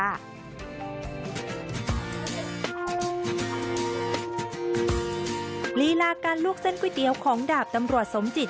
ลีลาการลวกเส้นก๋วยเตี๋ยวของดาบตำรวจสมจิต